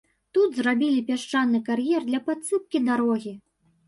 Тут зрабілі пясчаны кар'ер для падсыпкі дарогі.